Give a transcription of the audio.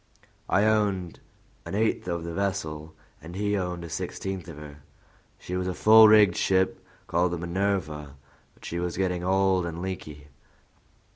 I owned an eighth of the vessel, and he owned a sixteenth of her. She was a full rigged ship, called the Minerva, but she was getting old and leaky.